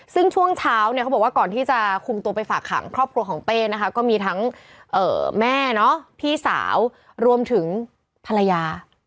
ซึ่งช่วงเช้าเนี่ยเขาบอกว่าก่อนที่จะคุมตัวไปฝากขังครอบครัวของเป้นะคะก็มีทั้งแม่พี่สาวรวมถึงภรรยา